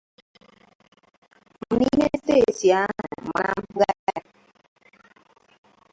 ma n'ime steeti ahụ ma na mpụga ya.